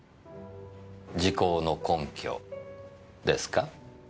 時効の根拠ですか？